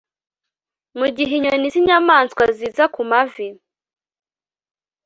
mugihe inyoni zinyamanswa ziza kumavi ...